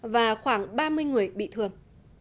và khoảng ba mươi người bị thương